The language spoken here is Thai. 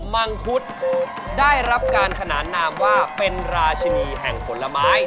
มังคุดได้รับการขนานนามว่าเป็นราชินีแห่งผลไม้